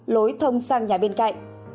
lối thông sang nhà bên cạnh